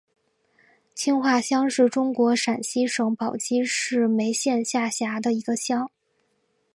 青化乡是中国陕西省宝鸡市眉县下辖的一个乡。